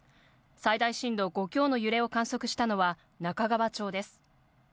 最大震度５強の揺れを観測したのは中川町です。